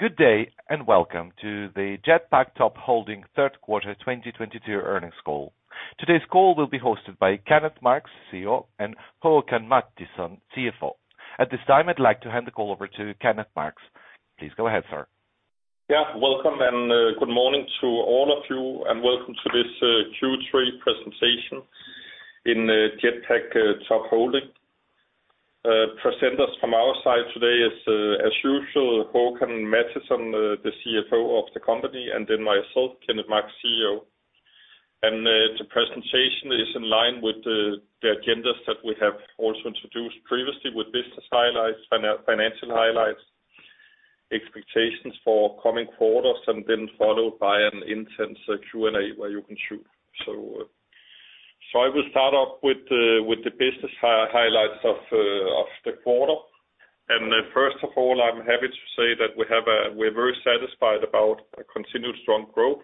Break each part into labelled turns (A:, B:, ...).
A: Good day. Welcome to the Jetpak Top Holding third quarter 2022 earnings call. Today's call will be hosted by Kenneth Marx, CEO, and Håkan Mattisson, CFO. At this time, I'd like to hand the call over to Kenneth Marx. Please go ahead, sir.
B: Yeah, welcome and good morning to all of you, and welcome to this Q3 presentation in Jetpak Top Holding. Presenters from our side today is, as usual, Håkan Mattisson, the CFO of the company, and then myself, Kenneth Marx, CEO. The presentation is in line with the agendas that we have also introduced previously with business highlights, financial highlights, expectations for coming quarters, and then followed by an intense Q&A where you can shoot. I will start off with the business highlights of the quarter. First of all, I'm happy to say that we're very satisfied about a continued strong growth,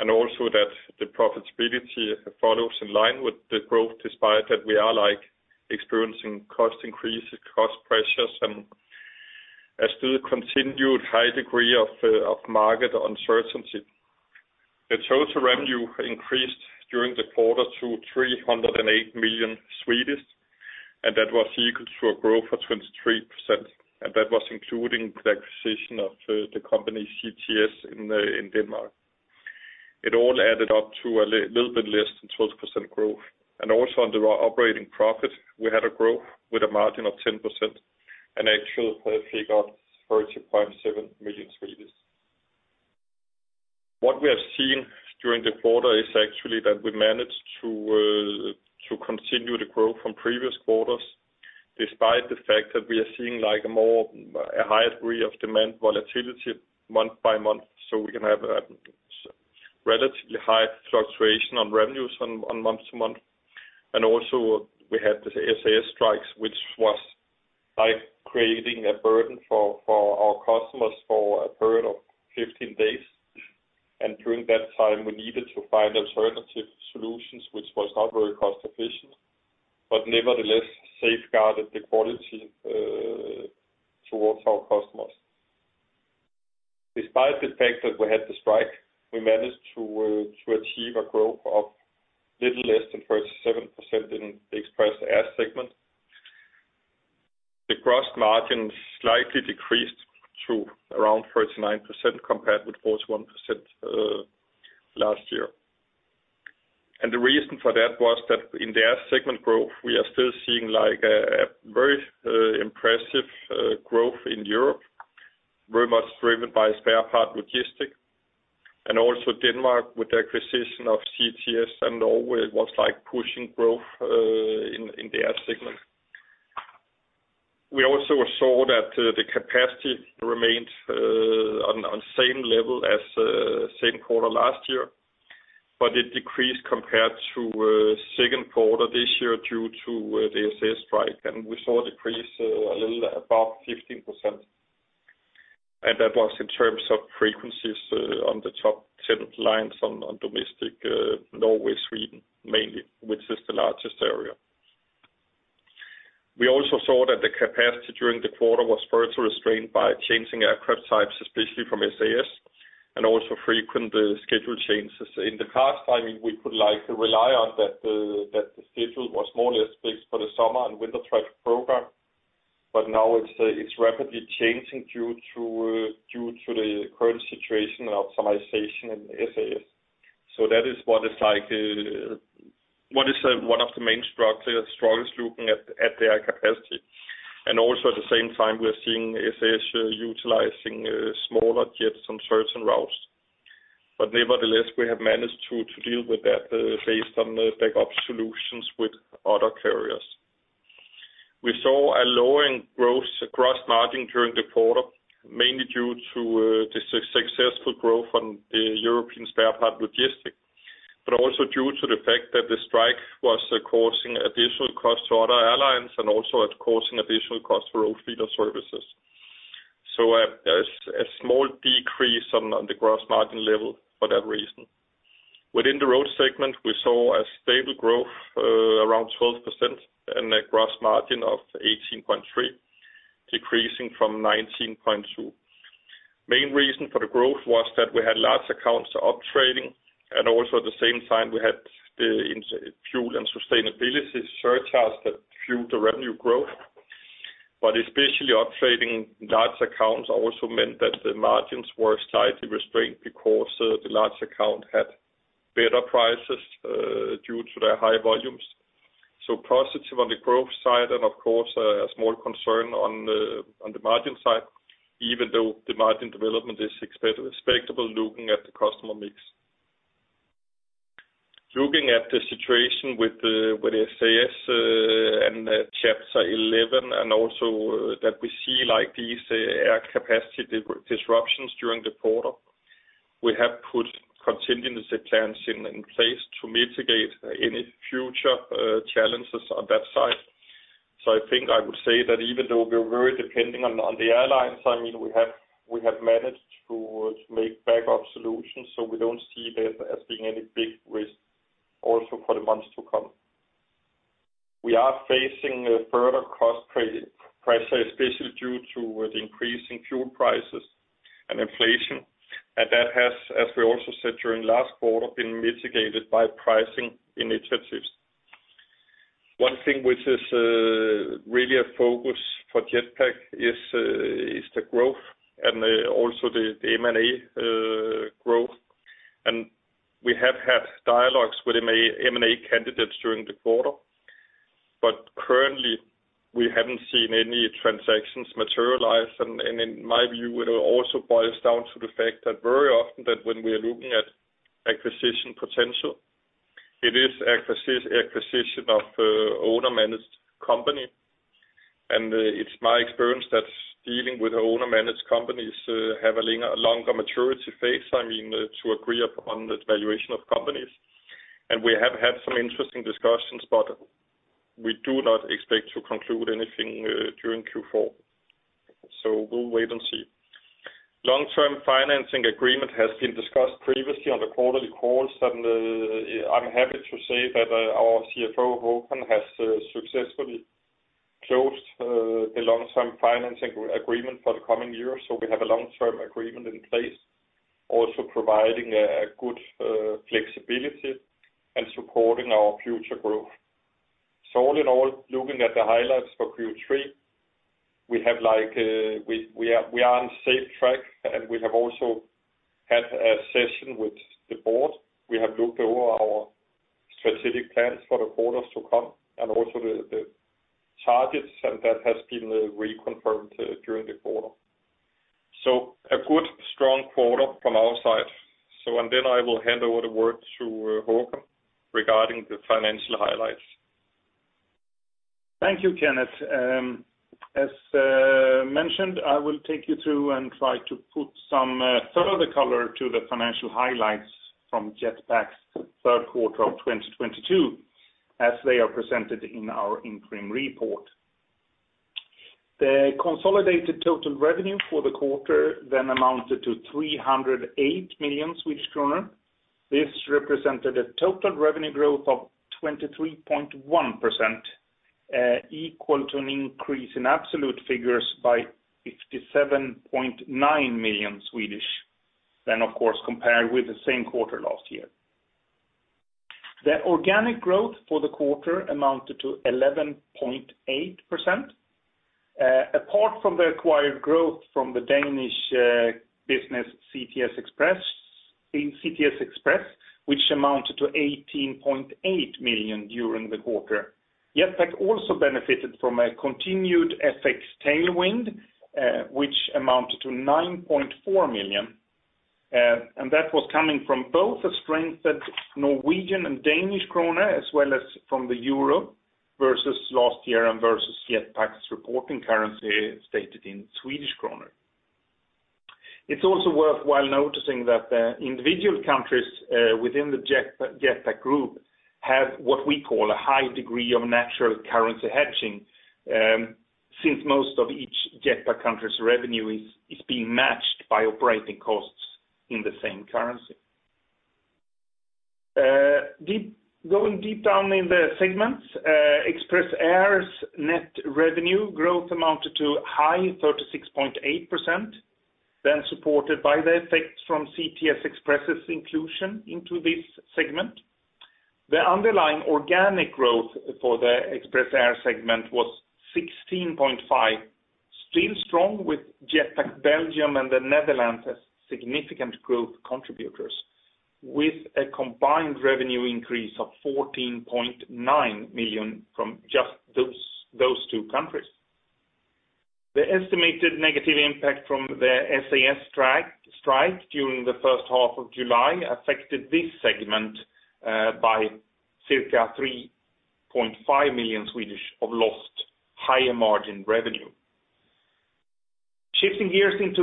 B: and also that the profitability follows in line with the growth despite that we are, like, experiencing cost increases, cost pressures, and as to the continued high degree of market uncertainty. The total revenue increased during the quarter to 308 million, and that was equal to a growth of 23%, and that was including the acquisition of the company CTS in Denmark. It all added up to a little bit less than 12% growth. Also under our operating profit, we had a growth with a margin of 10%, and actually got 35.7 million. What we have seen during the quarter is actually that we managed to continue the growth from previous quarters, despite the fact that we are seeing like a more, a high degree of demand volatility month by month, so we can have a relatively high fluctuation on revenues on month to month. Also we had the SAS strikes, which was like creating a burden for our customers for a period of 15 days. During that time, we needed to find alternative solutions, which was not very cost efficient, but nevertheless safeguarded the quality towards our customers. Despite the fact that we had the strike, we managed to achieve a growth of little less than 37% in the Express Air segment. The gross margins slightly decreased to around 39% compared with 41% last year. The reason for that was that in the air segment growth, we are still seeing like a very impressive growth in Europe, very much driven by spare part logistics, and also Denmark with the acquisition of CTS and Norway was like pushing growth in the air segment. We also saw that the capacity remained on same level as same quarter last year, but it decreased compared to second quarter this year due to the SAS strike, and we saw a decrease a little above 15%. That was in terms of frequencies on the top 10 lines on domestic Norway, Sweden, mainly, which is the largest area. We also saw that the capacity during the quarter was further restrained by changing aircraft types, especially from SAS, and also frequent schedule changes. In the past timing, we could like rely on that the schedule was more or less fixed for the summer and winter traffic program, but now it's rapidly changing due to due to the current situation and optimization in SAS. That is what is like what is one of the main struggle, strongest looking at the air capacity. Also at the same time, we're seeing SAS utilizing smaller jets on certain routes. Nevertheless, we have managed to deal with that based on the backup solutions with other carriers. We saw a lowering gross margin during the quarter, mainly due to the successful growth on the European spare part logistic, but also due to the fact that the strike was causing additional cost to other airlines and also it causing additional cost for all feeder services. A small decrease on the gross margin level for that reason. Within the road segment, we saw a stable growth around 12% and a gross margin of 18.3, decreasing from 19.2. Main reason for the growth was that we had large accounts up-trading, and also at the same time, we had the fuel and sustainability surcharges that fueled the revenue growth. Especially up-trading large accounts also meant that the margins were slightly restrained because the large account had better prices due to their high volumes. Positive on the growth side and of course, a small concern on the margin side, even though the margin development is expectable looking at the customer mix. Looking at the situation with SAS and Chapter 11 and also that we see like these air capacity disruptions during the quarter, we have put contingency plans in place to mitigate any future challenges on that side. I think I would say that even though we're very depending on the airlines, I mean, we have managed to make backup solutions, so we don't see that as being any big risk also for the months to come. We are facing a further cost pressure, especially due to the increase in fuel prices and inflation. That has, as we also said during last quarter, been mitigated by pricing initiatives. One thing which is really a focus for Jetpak is the growth and also the M&A growth. We have had dialogues with M&A candidates during the quarter, but currently, we haven't seen any transactions materialize. In my view, it also boils down to the fact that very often that when we are looking at acquisition potential, it is acquisition of owner-managed company. It's my experience that dealing with owner-managed companies have a longer maturity phase, I mean, to agree upon the valuation of companies. We have had some interesting discussions, but we do not expect to conclude anything during Q4. We'll wait and see. Long-term financing agreement has been discussed previously on the quarterly calls. I'm happy to say that our CFO, Håkan, has successfully closed the long-term financing agreement for the coming years. We have a long-term agreement in place, also providing a good flexibility and supporting our future growth. All in all, looking at the highlights for Q3, we are on safe track, and we have also had a session with the board. We have looked over our strategic plans for the quarters to come and also the targets, and that has been reconfirmed during the quarter. A good strong quarter from our side. I will hand over the word to Håkan regarding the financial highlights.
C: Thank you, Kenneth. As mentioned, I will take you through and try to put some further color to the financial highlights from Jetpak's third quarter of 2022 as they are presented in our interim report. The consolidated total revenue for the quarter then amounted to 308 million Swedish kronor. This represented a total revenue growth of 23.1%, equal to an increase in absolute figures by 57.9 million, then of course, compared with the same quarter last year. The organic growth for the quarter amounted to 11.8%. Apart from the acquired growth from the Danish business CTS Express, which amounted to 18.8 million during the quarter. Jetpak also benefited from a continued FX tailwind, which amounted to 9.4 million. That was coming from both a strengthened Norwegian and Danish krona, as well as from the euro versus last year and versus Jetpak's reporting currency stated in Swedish krona. It's also worthwhile noticing that the individual countries, within the Jetpak Group have what we call a high degree of natural currency hedging, since most of each Jetpak country's revenue is being matched by operating costs in the same currency. Going deep down in the segments, Express Air's net revenue growth amounted to a high 36.8%, then supported by the effects from CTS Express's inclusion into this segment. The underlying organic growth for the Express Air segment was 16.5%. Still strong with Jetpak Belgium and the Netherlands as significant growth contributors with a combined revenue increase of 14.9 million from just those two countries. The estimated negative impact from the SAS strike during the first half of July affected this segment by circa 3.5 million of lost higher-margin revenue. Shifting gears into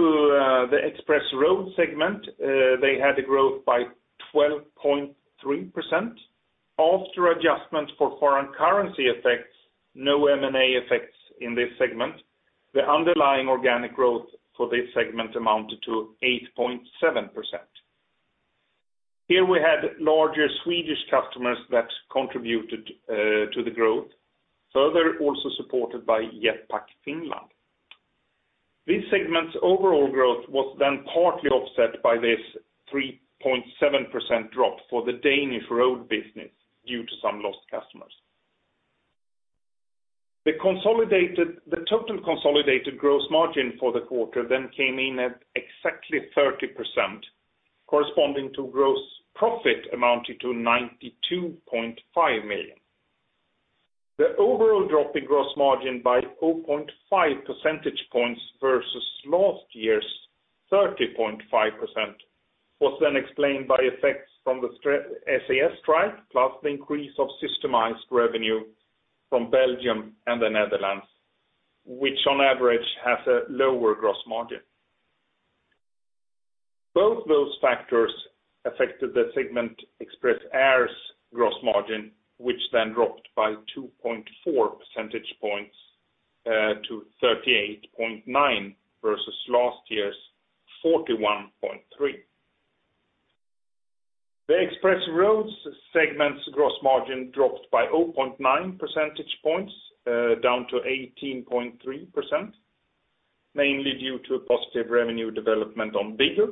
C: the Express Road segment, they had a growth by 12.3% after adjustment for foreign currency effects, no M&A effects in this segment. The underlying organic growth for this segment amounted to 8.7%. Here we had larger Swedish customers that contributed to the growth, further also supported by Jetpak Finland. This segment's overall growth was then partly offset by this 3.7% drop for the Danish road business due to some lost customers. The total consolidated gross margin for the quarter then came in at exactly 30%, corresponding to gross profit amounting to 92.5 million. The overall drop in gross margin by 0.5 percentage points versus last year's 30.5% was then explained by effects from the SAS strike, plus the increase of systemized revenue from Belgium and the Netherlands, which on average has a lower gross margin. Both those factors affected the segment Express Air's gross margin, which then dropped by 2.4 percentage points, to 38.9% versus last year's 41.3%. The Express Road segment's gross margin dropped by 0.9 percentage points, down to 18.3%, mainly due to a positive revenue development on bigger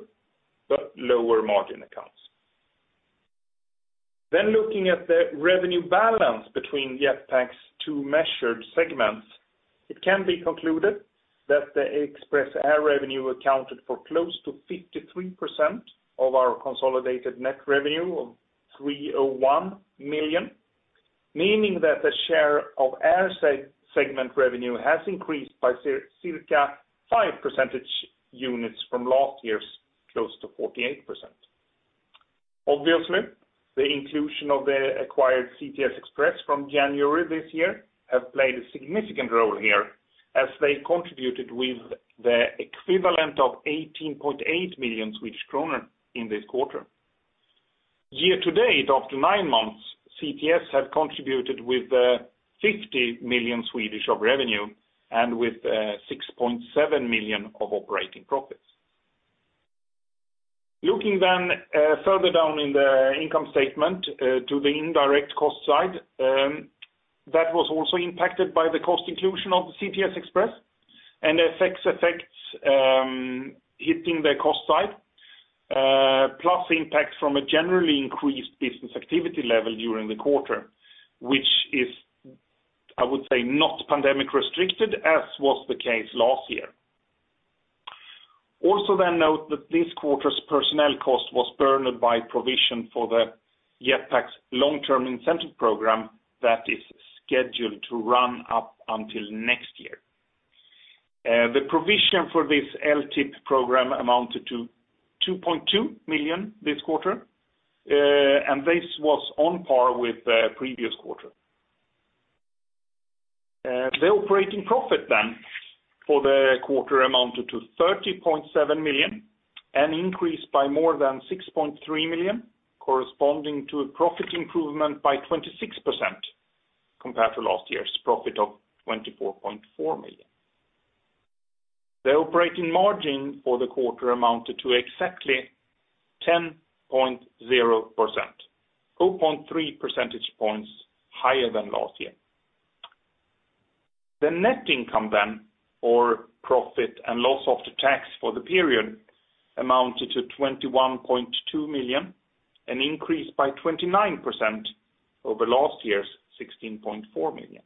C: but lower margin accounts. Looking at the revenue balance between Jetpak's two measured segments, it can be concluded that the Express Air revenue accounted for close to 53% of our consolidated net revenue of 301 million, meaning that the share of air segment revenue has increased by circa 5 percentage units from last year's close to 48%. Obviously, the inclusion of the acquired CTS Express from January this year have played a significant role here as they contributed with the equivalent of 18.8 million Swedish kroner in this quarter. Year to date, after nine months, CTS have contributed with 50 million Swedish of revenue and with 6.7 million of operating profits. Looking further down in the income statement, to the indirect cost side, that was also impacted by the cost inclusion of the CTS Express and FX effects, hitting the cost side, plus impact from a generally increased business activity level during the quarter, which is, I would say, not pandemic restricted as was the case last year. Note that this quarter's personnel cost was burdened by provision for the Jetpak's long-term incentive program that is scheduled to run up until next year. The provision for this LTIP program amounted to 2.2 million this quarter, and this was on par with the previous quarter. The operating profit for the quarter amounted to 30.7 million, an increase by more than 6.3 million, corresponding to a profit improvement by 26% compared to last year's profit of 24.4 million. The operating margin for the quarter amounted to exactly 10.0%, 0.3 percentage points higher than last year. The net income, or profit and loss of the tax for the period, amounted to 21.2 million, an increase by 29% over last year's 16.4 million.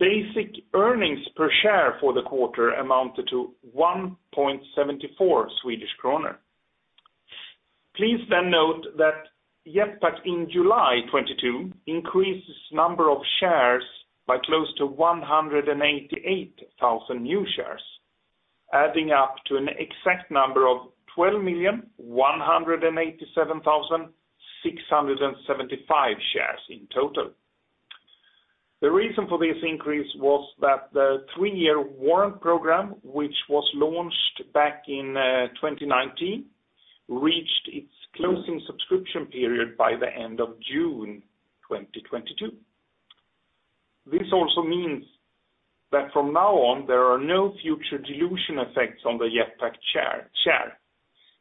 C: Basic earnings per share for the quarter amounted to 1.74 Swedish kronor. Please note that Jetpak in July 2022 increased its number of shares by close to 188,000 new shares, adding up to an exact number of 12,187,675 shares in total. The reason for this increase was that the three-year warrant program, which was launched back in 2019, reached its closing subscription period by the end of June 2022. This also means that from now on, there are no future dilution effects on the Jetpak share.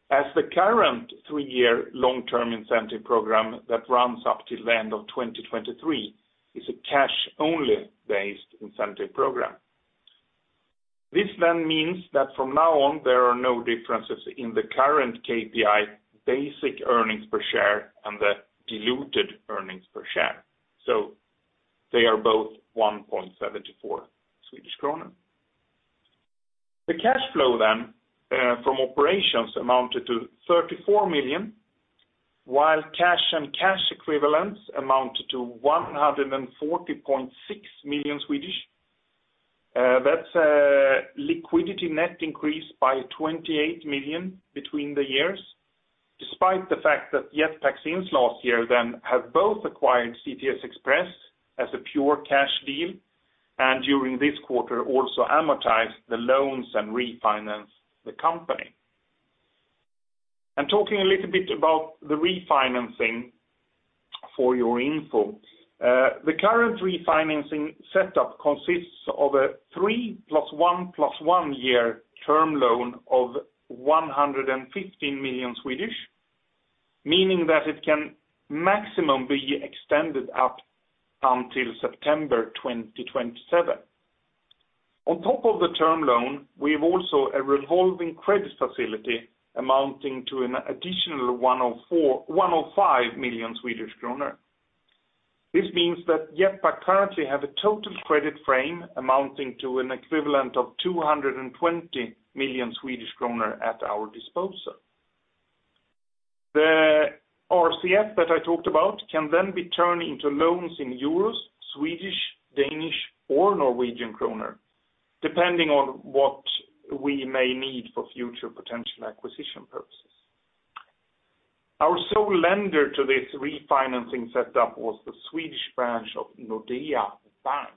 C: As the current three-year long-term incentive program that runs up till the end of 2023 is a cash-only based incentive program. This means that from now on, there are no differences in the current KPI basic earnings per share and the diluted earnings per share. They are both 1.74 Swedish kronor. The cash flow then from operations amounted to 34 million, while cash and cash equivalents amounted to 140.6 million. That's a liquidity net increase by 28 million between the years, despite the fact that Jetpak since last year then have both acquired CTS Express as a pure cash deal, and during this quarter also amortized the loans and refinance the company. Talking a little bit about the refinancing for your info, the current refinancing setup consists of a three plus one plus one year term loan of 115 million, meaning that it can maximum be extended up until September 2027. On top of the term loan, we have also a revolving credit facility amounting to an additional 105 million Swedish kronor. This means that Jetpak currently have a total credit frame amounting to an equivalent of 220 million Swedish kronor at our disposal. The RCF that I talked about can then be turned into loans in euros, Swedish, Danish, or Norwegian kroner, depending on what we may need for future potential acquisition purposes. Our sole lender to this refinancing setup was the Swedish branch of Nordea Bank.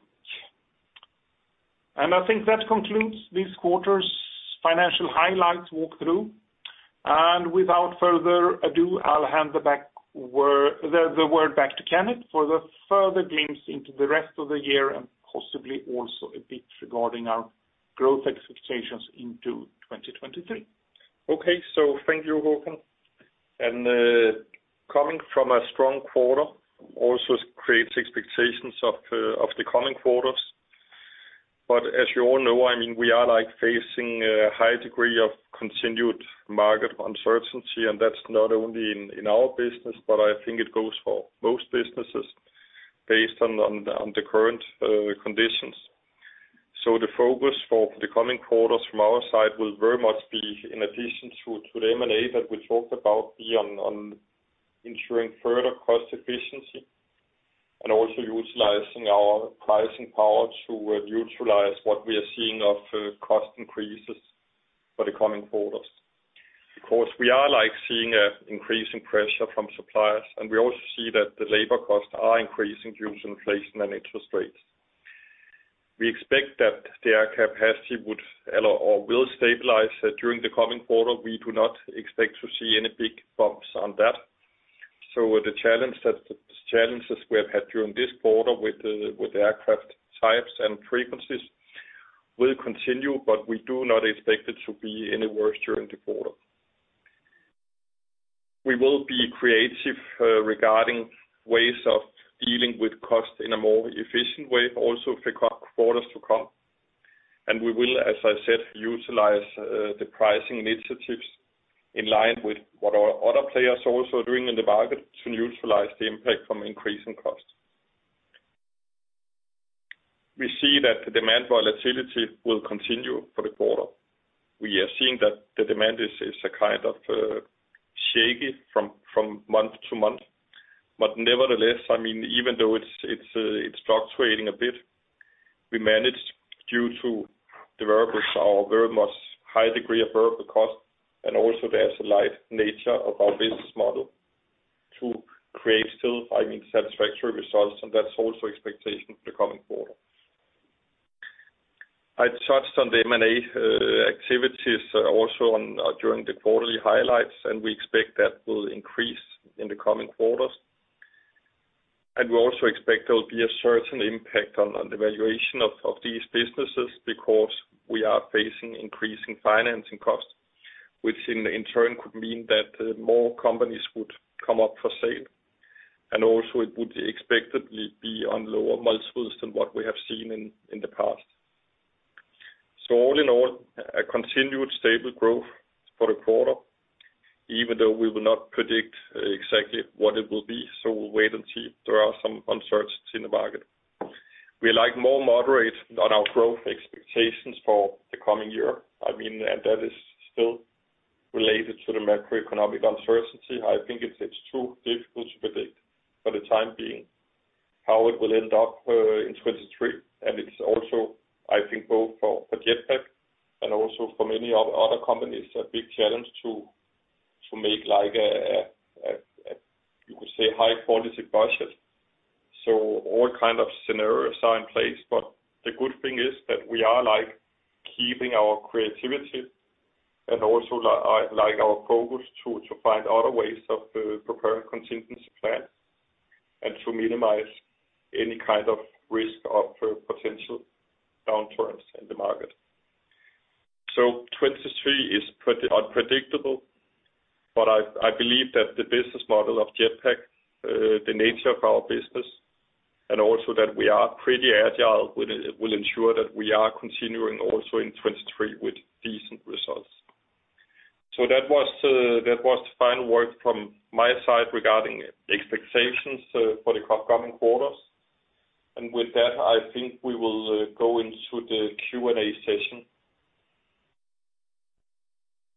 C: I think that concludes this quarter's financial highlights walkthrough. Without further ado, I'll hand the word back to Kenneth for the further glimpse into the rest of the year and possibly also a bit regarding our outlook. Growth expectations into 2023.
B: Okay. Thank you, Hakan. Coming from a strong quarter also creates expectations of the coming quarters. As you all know, I mean, we are, like, facing a high degree of continued market uncertainty, and that's not only in our business, but I think it goes for most businesses based on the current conditions. The focus for the coming quarters from our side will very much be in addition to the M&A that we talked about be on ensuring further cost efficiency and also utilizing our pricing power to utilize what we are seeing of cost increases for the coming quarters. Of course, we are, like, seeing an increasing pressure from suppliers, and we also see that the labor costs are increasing due to inflation and interest rates. We expect that the air capacity would or will stabilize during the coming quarter. We do not expect to see any big bumps on that. The challenges we have had during this quarter with the aircraft types and frequencies will continue, but we do not expect it to be any worse during the quarter. We will be creative regarding ways of dealing with cost in a more efficient way, also for quarters to come. We will, as I said, utilize the pricing initiatives in line with what our other players are also doing in the market to neutralize the impact from increasing costs. We see that the demand volatility will continue for the quarter. We are seeing that the demand is a kind of shaky from month to month. Nevertheless, I mean, even though it's fluctuating a bit, we managed due to the variables are very much high degree of variable cost and also the asset light nature of our business model to create still, I mean, satisfactory results, and that's also expectation for the coming quarter. I touched on the M&A activities also during the quarterly highlights, and we expect that will increase in the coming quarters. We also expect there will be a certain impact on the valuation of these businesses because we are facing increasing financing costs, which in turn could mean that more companies would come up for sale. Also it would expectedly be on lower multiples than what we have seen in the past. All in all, a continued stable growth for the quarter, even though we will not predict exactly what it will be. We'll wait and see. There are some uncertainties in the market. We are, like, more moderate on our growth expectations for the coming year. That is still related to the macroeconomic uncertainty. I think it's too difficult to predict for the time being how it will end up in 2023. It's also, I think, both for Jetpak and also for many other companies, a big challenge to make like a, you could say, high quality budget. All kind of scenarios are in place. The good thing is that we are, like, keeping our creativity and also like our focus to find other ways of preparing contingency plans and to minimize any kind of risk of potential downturns in the market. 2023 is unpredictable, but I believe that the business model of Jetpak, the nature of our business, and also that we are pretty agile will ensure that we are continuing also in 2023 with decent results. That was the final word from my side regarding expectations for the upcoming quarters. With that, I think we will go into the Q&A session.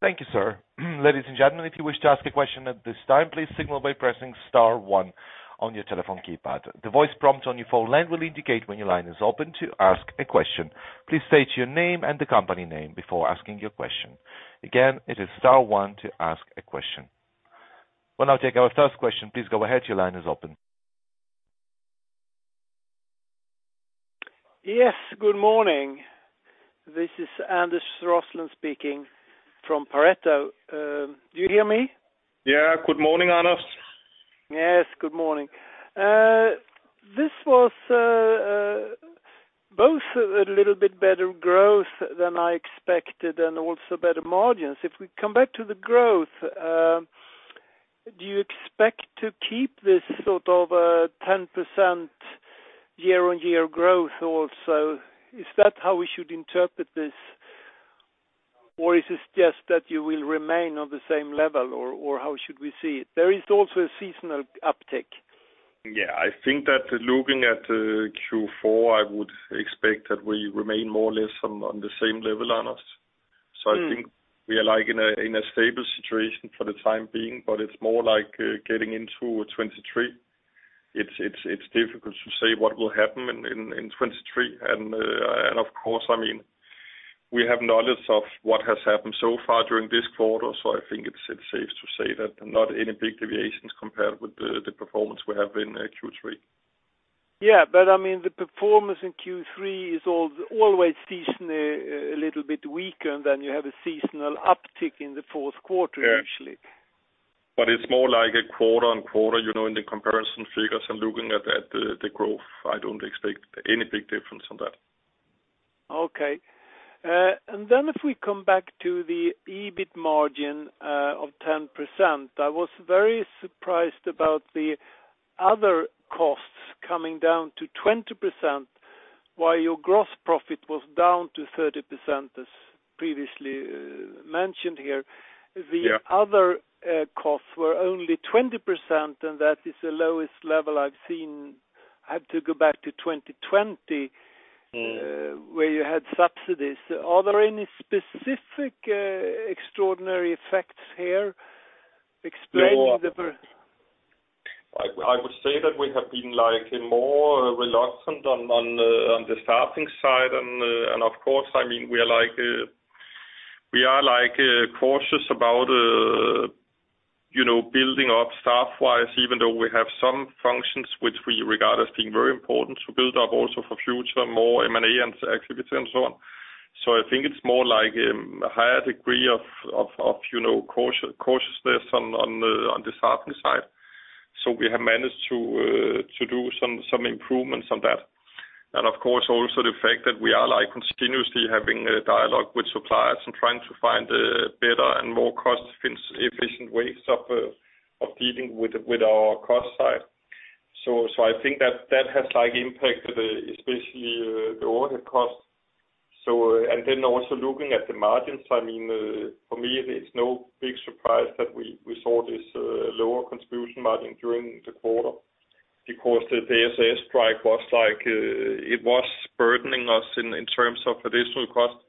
A: Thank you, sir. Ladies and gentlemen, if you wish to ask a question at this time, please signal by pressing star one on your telephone keypad. The voice prompt on your phone line will indicate when your line is open to ask a question. Please state your name and the company name before asking your question. Again, it is star one to ask a question. We will now take our first question. Please go ahead. Your line is open.
D: Yes, good morning. This is Anders Roslund speaking from Pareto. Do you hear me?
B: Good morning, Anders.
D: Yes, good morning. This was both a little bit better growth than I expected and also better margins. We come back to the growth, do you expect to keep this sort of 10% year-on-year growth also? Is that how we should interpret this? Is it just that you will remain on the same level or how should we see it? There is also a seasonal uptick.
B: I think that looking at Q4, I would expect that we remain more or less on the same level, Anders. I think we are, like, in a stable situation for the time being, but it's more like getting into 2023. It's difficult to say what will happen in 2023. Of course, I mean, we have knowledge of what has happened so far during this quarter. I think it's safe to say that not any big deviations compared with the performance we have in Q3.
D: Yeah. I mean, the performance in Q3 is always seasonally a little bit weaker than you have a seasonal uptick in the fourth quarter usually.
B: It's more like a quarter-on-quarter, you know, in the comparison figures and looking at the growth, I don't expect any big difference on that.
D: Okay. If we come back to the EBIT margin of 10%, I was very surprised about the other costs coming down to 20% while your gross profit was down to 30%, as previously mentioned here.
B: Yeah.
D: The other costs were only 20%. That is the lowest level I've seen. I have to go back to.
B: Mm.
D: where you had subsidies. Are there any specific extraordinary effects here explaining the per-?
B: Well, I would say that we have been, like, more reluctant on the staffing side. Of course, I mean, we are like, we are, like, cautious about, you know, building up staff-wise, even though we have some functions which we regard as being very important to build up also for future more M&A and activity and so on. I think it's more like, a higher degree of, you know, cautiousness on the staffing side. We have managed to do some improvements on that. Of course, also the fact that we are, like, continuously having a dialogue with suppliers and trying to find better and more cost-efficient ways of dealing with our cost side. I think that that has, like, impacted, especially, the overhead costs. Also looking at the margins, I mean, for me, it's no big surprise that we saw this lower contribution margin during the quarter because the SAS strike was like, it was burdening us in terms of additional costs.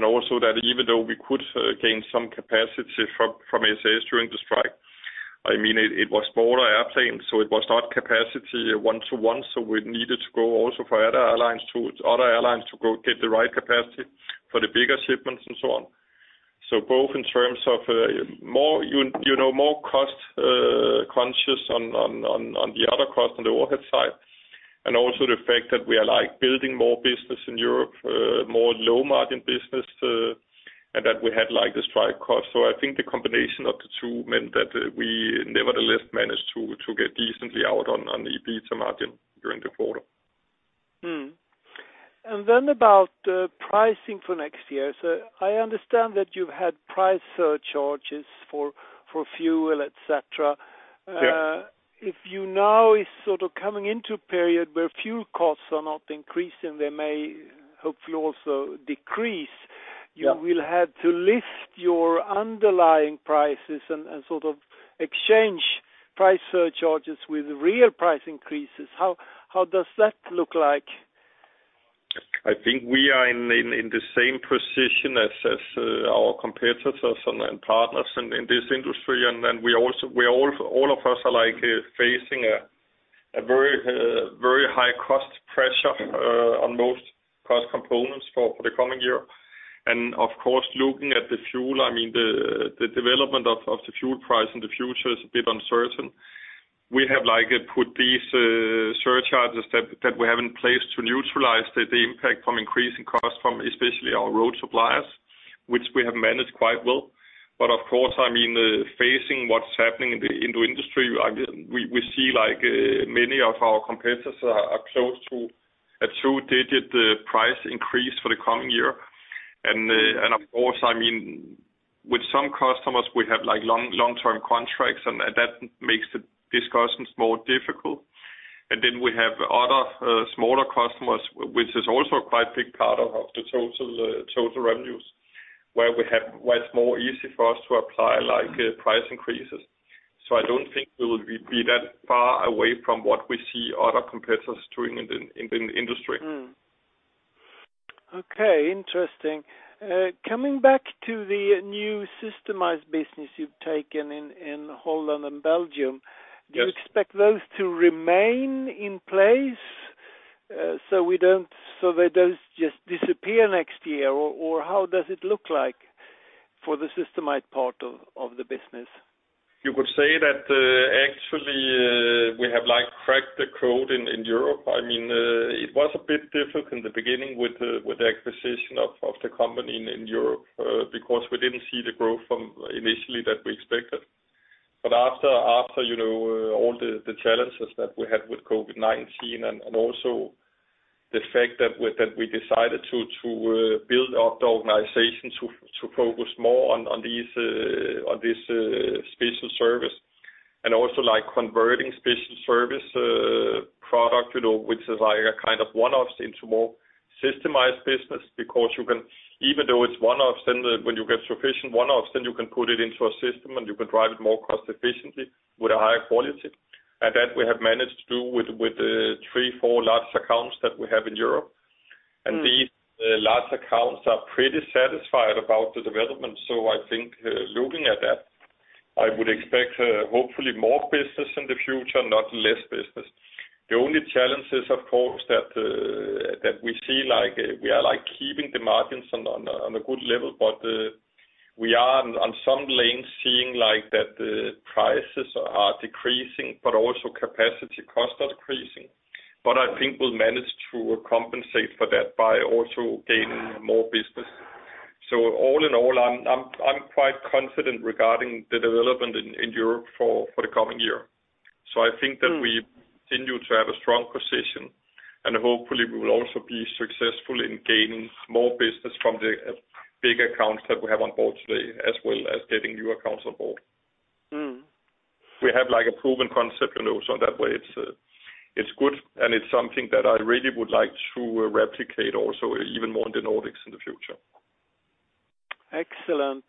B: Also that even though we could gain some capacity from SAS during the strike, I mean, it was smaller airplanes, so it was not capacity one to one. We needed to go also for other airlines to go get the right capacity for the bigger shipments and so on. Both in terms of, you know, more cost conscious on the other costs, on the overhead side, and also the fact that we are, like, building more business in Europe, more low margin business, and that we had, like, the strike cost. I think the combination of the two meant that we nevertheless managed to get decently out on the EBITDA margin during the quarter.
D: Then about pricing for next year. I understand that you've had price surcharges for fuel, et cetera.
B: Yeah.
D: If you now is sort of coming into a period where fuel costs are not increasing, they may hopefully also decrease.
B: Yeah.
D: You will have to lift your underlying prices and sort of exchange price surcharges with real price increases. How does that look like?
B: I think we are in the same position as our competitors and partners in this industry. We also, we all of us are, like, facing a very high cost pressure on most cost components for the coming year. Of course, looking at the fuel, I mean, the development of the fuel price in the future is a bit uncertain. We have, like, put these surcharges that we have in place to neutralize the impact from increasing costs from especially our road suppliers, which we have managed quite well. Of course, I mean, facing what's happening in the industry, I mean, we see, like, many of our competitors are close to a two-digit price increase for the coming year. Of course, I mean, with some customers we have, like, long-term contracts, and that makes the discussions more difficult. Then we have other smaller customers, which is also a quite big part of the total revenues, where it's more easy for us to apply, like, price increases. I don't think we will be that far away from what we see other competitors doing in the industry.
D: Okay. Interesting. Coming back to the new systemized business you've taken in Holland and Belgium.
B: Yes.
D: Do you expect those to remain in place, so they don't just disappear next year? How does it look like for the systemized part of the business?
B: You could say that, actually, we have, like, cracked the code in Europe. I mean, it was a bit difficult in the beginning with the, with the acquisition of the company in Europe, because we didn't see the growth from initially that we expected. After, after, you know, all the challenges that we had with COVID-19 and, also the fact that we decided to build up the organization to focus more on these, on this special service and also, like, converting special service, product, you know, which is like a kind of one-offs into more systemized business. You can, even though it's one-offs, then when you get sufficient one-offs, then you can put it into a system, and you can drive it more cost efficiently with a higher quality. That we have managed to do with three, four large accounts that we have in Europe. These large accounts are pretty satisfied about the development. I think, looking at that, I would expect, hopefully more business in the future, not less business. The only challenge is, of course, that we see, like, we are, like, keeping the margins on a good level. We are on some lanes seeing, like, that prices are decreasing, but also capacity costs are decreasing. I think we'll manage to compensate for that by also gaining more business. All in all, I'm quite confident regarding the development in Europe for the coming year. I think that we continue to have a strong position, and hopefully we will also be successful in gaining more business from the big accounts that we have on board today, as well as getting new accounts on board. We have, like, a proven concept, you know, so that way it's good, and it's something that I really would like to replicate also even more in the Nordics in the future.
D: Excellent.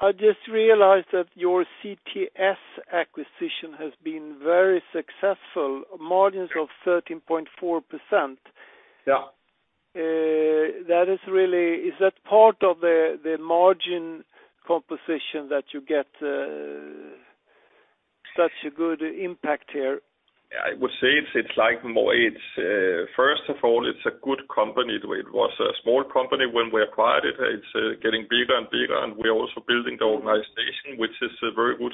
D: I just realized that your CTS acquisition has been very successful. Margins of 13.4%.
B: Yeah.
D: Is that part of the margin composition that you get, such a good impact here?
B: I would say it's like more it's, first of all, it's a good company. The way it was a small company when we acquired it. It's getting bigger and bigger, and we're also building the organization, which is very good.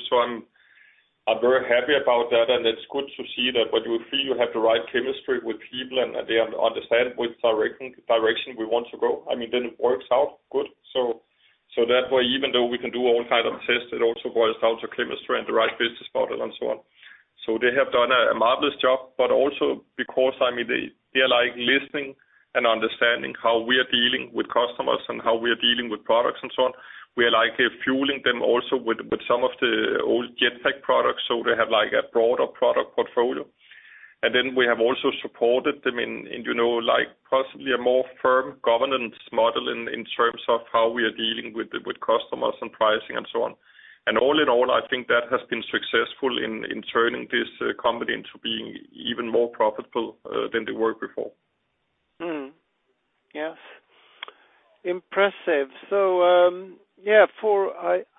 B: I'm very happy about that, and it's good to see that when you feel you have the right chemistry with people and they understand which direction we want to go, I mean, then it works out good. That way, even though we can do all kind of tests, it also boils down to chemistry and the right business model and so on. They have done a marvelous job. Also because, I mean, they are, like, listening and understanding how we are dealing with customers and how we are dealing with products and so on. We are likely fueling them also with some of the old Jetpak products, so they have like a broader product portfolio. Then we have also supported them in, you know, like possibly a more firm governance model in terms of how we are dealing with customers and pricing and so on. All in all, I think that has been successful in turning this company into being even more profitable than they were before.
D: Yes. Impressive. Yeah, for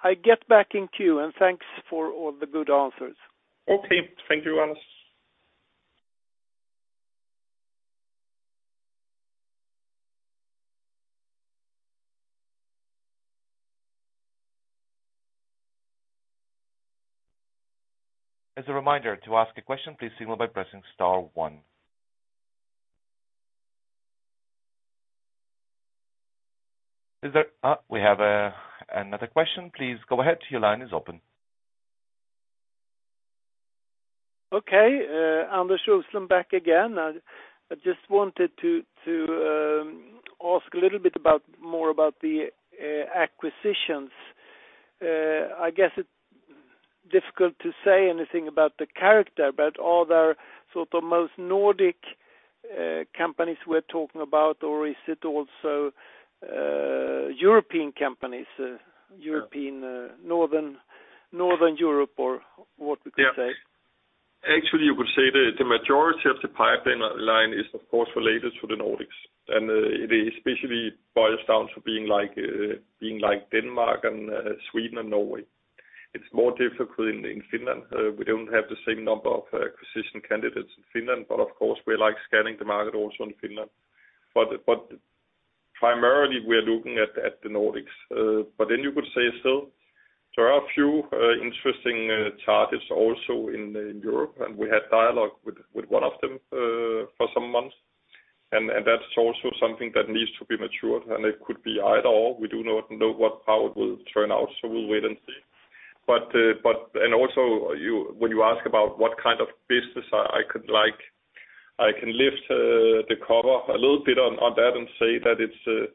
D: I get back in queue and thanks for all the good answers.
B: Okay. Thank you, Anders.
A: As a reminder to ask a question, please signal by pressing star one. We have another question. Please go ahead. Your line is open.
D: Anders Roslund back again. I just wanted to ask a little bit about, more about the acquisitions. I guess it's difficult to say anything about the character, but are there sort of most Nordic companies we're talking about? Or is it also European companies, European, Northern Europe or what we could say?
B: Yeah. Actually, you could say the majority of the pipeline line is of course related to the Nordics. It especially boils down to being like Denmark and Sweden and Norway. It's more difficult in Finland. We don't have the same number of acquisition candidates in Finland, but of course, we're like scanning the market also in Finland. Primarily we are looking at the Nordics. You could say still there are a few interesting targets also in Europe, and we had dialogue with one of them for some months. That's also something that needs to be matured, and it could be at all. We do not know how it will turn out, so we'll wait and see. And also you, when you ask about what kind of business I could like, I can lift the cover a little bit on that and say that it's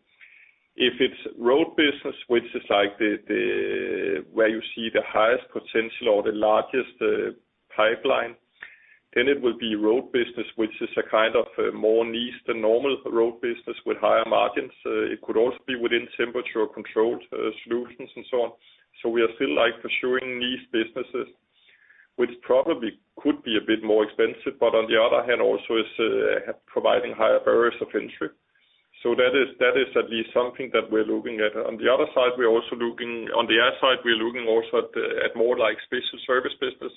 B: if it's road business, which is like the where you see the highest potential or the largest pipeline, then it will be road business, which is a kind of more niche than normal road business with higher margins. It could also be within temperature controlled solutions and so on. We are still like pursuing these businesses, which probably could be a bit more expensive, but on the other hand also is providing higher barriers of entry. That is at least something that we're looking at. On the other side, we're also looking... On the Air side, we are looking also at more like special service business.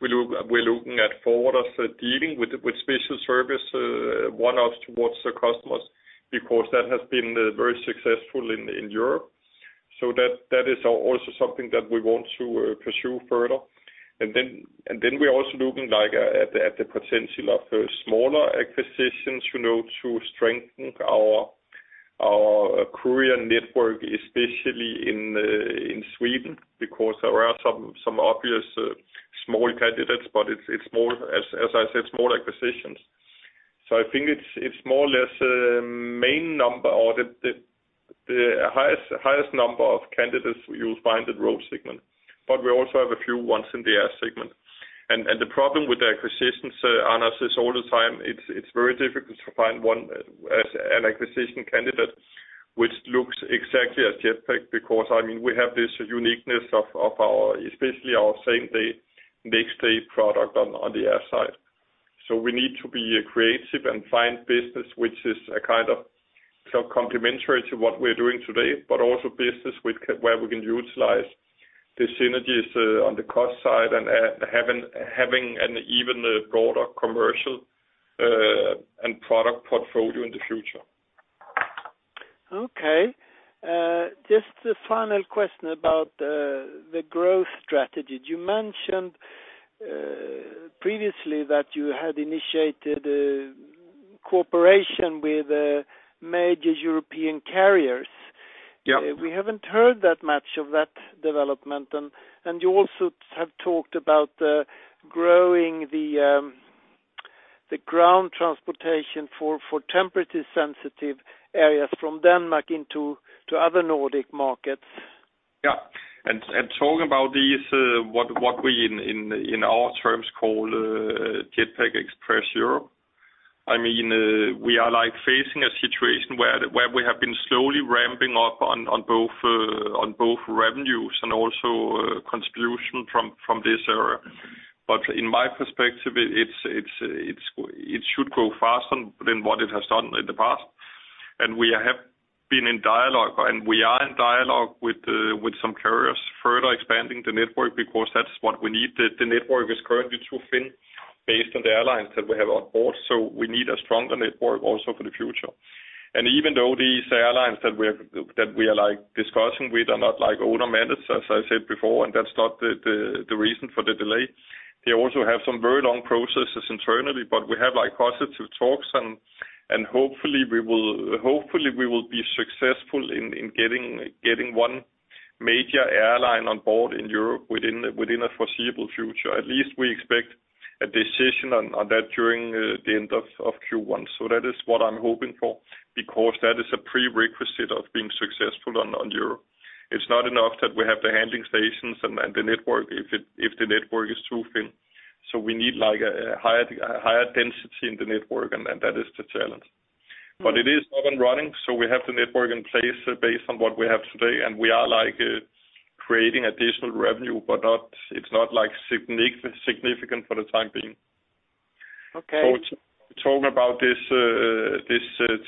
B: We're looking at forwarders dealing with special service one-offs towards the customers because that has been very successful in Europe. That is also something that we want to pursue further. Then we're also looking like at the potential of smaller acquisitions, you know, to strengthen our career network, especially in Sweden, because there are some obvious small candidates, but it's small as I said, small acquisitions. I think it's more or less main number or the highest number of candidates you'll find at Road segment. We also have a few ones in the Air segment. The problem with the acquisitions, Anders, is all the time, it's very difficult to find one as an acquisition candidate, which looks exactly as Jetpak because, I mean, we have this uniqueness of our, especially our same day, next day product on the air side. We need to be creative and find business, which is a kind of self-complementary to what we're doing today, but also business where we can utilize the synergies on the cost side and having an even broader commercial and product portfolio in the future.
D: Okay. Just a final question about the growth strategy. You mentioned previously that you had initiated a cooperation with major European carriers.
B: Yeah.
D: We haven't heard that much of that development. You also have talked about growing the ground transportation for temperature sensitive areas from Denmark into other Nordic markets.
B: Talking about these, what we in our terms call Jetpak Express Europe. I mean, we are like facing a situation where we have been slowly ramping up on both revenues and also contribution from this area. In my perspective, it should grow faster than what it has done in the past. We have been in dialogue, and we are in dialogue with some carriers further expanding the network because that's what we need. The network is currently too thin based on the airlines that we have on board, so we need a stronger network also for the future. Even though these airlines that we are like discussing with are not like owner managed, as I said before, and that's not the reason for the delay. They also have some very long processes internally, but we have like positive talks and hopefully we will be successful in getting one major airline on board in Europe within a foreseeable future. At least we expect a decision on that during the end of Q1. That is what I'm hoping for because that is a prerequisite of being successful on Europe. It's not enough that we have the handling stations and the network if the network is too thin. We need like a higher density in the network, and that is the challenge. It is up and running, so we have the network in place based on what we have today, and we are like, creating additional revenue, but not, it's not like significant for the time being.
D: Okay.
B: To talk about this,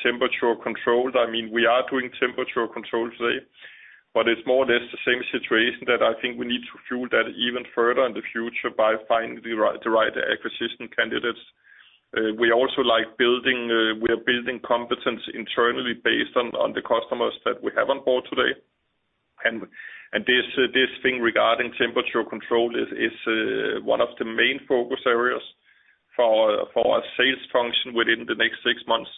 B: temperature controlled, I mean, we are doing temperature controlled today, but it's more or less the same situation that I think we need to fuel that even further in the future by finding the right, the right acquisition candidates. We also like building, we are building competence internally based on the customers that we have on board today. This, this thing regarding temperature control is one of the main focus areas for our sales function within the next six months.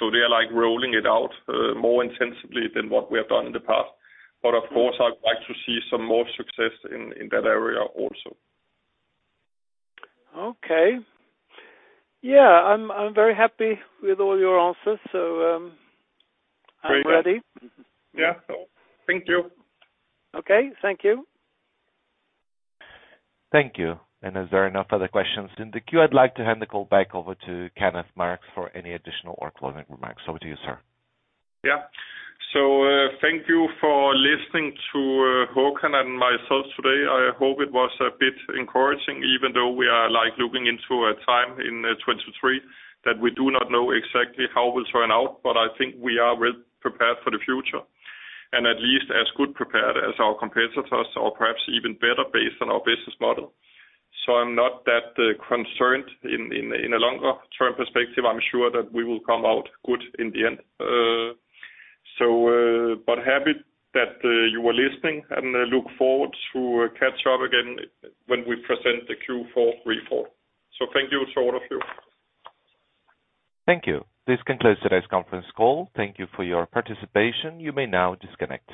B: They are like rolling it out, more intensively than what we have done in the past. Of course, I'd like to see some more success in that area also.
D: Okay. Yeah, I'm very happy with all your answers, so.
B: Very good.
D: I'm ready.
B: Yeah. Thank you.
D: Okay, thank you.
A: Thank you. Is there enough other questions in the queue? I'd like to hand the call back over to Kenneth Marx for any additional or closing remarks. Over to you, sir.
B: Yeah. Thank you for listening to Hakan and myself today. I hope it was a bit encouraging even though we are like looking into a time in 2023 that we do not know exactly how it will turn out. I think we are well prepared for the future, and at least as good prepared as our competitors or perhaps even better based on our business model. I'm not that concerned in a longer term perspective. I'm sure that we will come out good in the end. Happy that you were listening and I look forward to catch up again when we present the Q4 report. Thank you to all of you.
A: Thank you. This concludes today's conference call. Thank you for your participation. You may now disconnect.